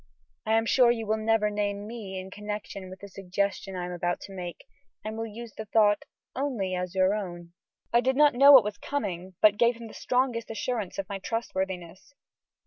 I am sure you will never name me in connection with the suggestion I am about to make, and will use the thought only as your own." I did not know what was coming, but gave him the strongest assurance of my trustworthiness.